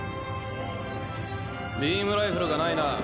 ビーム・ライフルがないな。